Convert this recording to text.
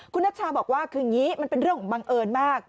คุณนัชชาบอกว่าคืออย่างนี้มันเป็นเรื่องของบังเอิญมาก